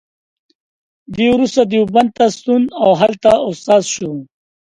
دی وروسته دیوبند ته ستون او هلته استاد شو.